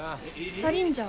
サリンジャー？